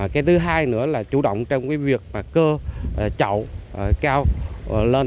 cái thứ hai nữa là chủ động trong cái việc cơ chậu cao lên